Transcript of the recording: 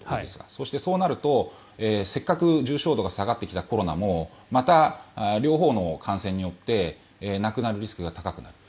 そしてそうなるとせっかく重症度が下がってきたコロナもまた両方の感染によって亡くなるリスクが高くなる。